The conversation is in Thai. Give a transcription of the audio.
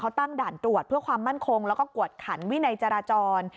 เขาตั้งด่านตรวจเพื่อความมั่นคงแล้วก็กวดขันวินัยจราจร